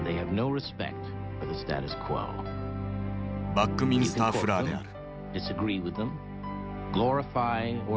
バックミンスター・フラーである。